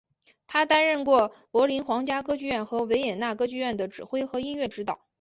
他担任过柏林皇家歌剧院和维也纳歌剧院的指挥和音乐指导。